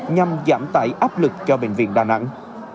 nhằm giảm tải áp lực cho bệnh viện đà nẵng